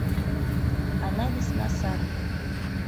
Анализ насар.